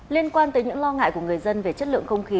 liên quan tới những lo ngại của người dân về chất lượng không khí